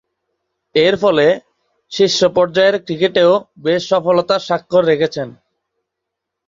এরফলে, শীর্ষ পর্যায়ের ক্রিকেটেও বেশ সফলতার স্বাক্ষর রেখেছেন।